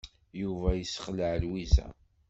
Yuba yessexleɛ Lwiza.